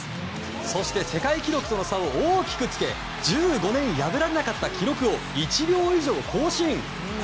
そして世界記録との差を大きくつけ１５年破られなかった記録を１秒以上更新。